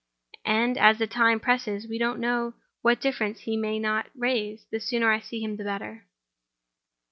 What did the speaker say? And as time presses, and we don't know what difficulties he may not raise, the sooner I see him the better."